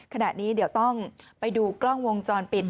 ขณะนี้เดี๋ยวต้องไปดูกล้องวงจรปิด